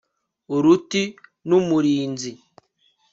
uruti n'umurinzi